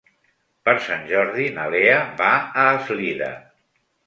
Per Sant Jordi na Lea va a Eslida.